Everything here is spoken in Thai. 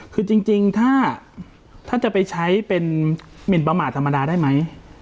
คือจริงถ้าจะไปใช้เป็นหมินประมาทธรรมดาได้ไหม